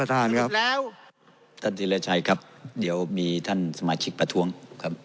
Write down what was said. ท่านธิเรชัยครับเดี๋ยวมีท่านสมาชิกประทครับ